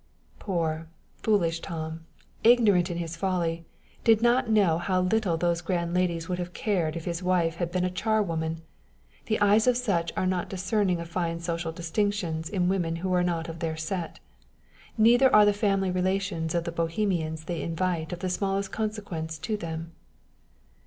Poor, foolish Tom, ignorant in his folly, did not know how little those grand ladies would have cared if his wife had been a char woman: the eyes of such are not discerning of fine social distinctions in women who are not of their set, neither are the family relations of the bohemians they invite of the smallest consequence to them.